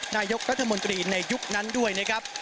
นายกรัฐมนตรีในยุคนั้นด้วยนะครับ